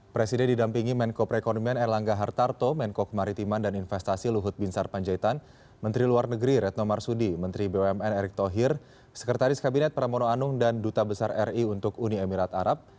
presiden didampingi menko perekonomian erlangga hartarto menko kemaritiman dan investasi luhut binsar panjaitan menteri luar negeri retno marsudi menteri bumn erick thohir sekretaris kabinet pramono anung dan duta besar ri untuk uni emirat arab